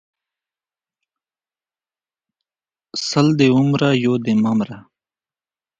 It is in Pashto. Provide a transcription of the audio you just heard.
څلرم:سل دي ومره یو دي مه مره